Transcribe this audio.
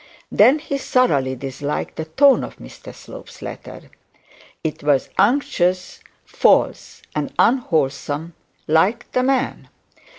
Then he thoroughly disliked the tone of Mr Slope's letter; it was unctuous, false, and unwholesome, like the man.